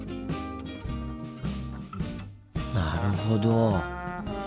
なるほど。